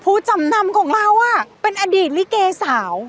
ผู้จำนำของเราน่ะเป็นระดิษฐ์ลิเกสา